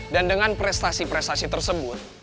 dan dengan prestasi prestasi tersebut